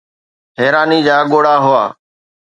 حيراني جا ڳوڙها هئا